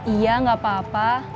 iya enggak apa apa